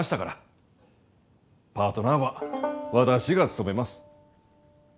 パートナーは私が務めます。